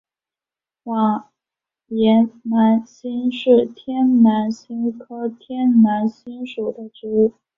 网檐南星是天南星科天南星属的植物。